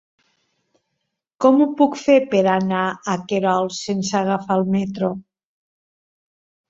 Com ho puc fer per anar a Querol sense agafar el metro?